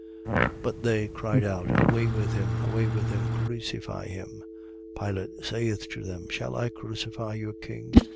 But they cried out: Away with him: Away with him: Crucify him. Pilate saith to them: shall I crucify your king?